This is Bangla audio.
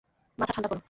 মাথা ঠাণ্ডা কর।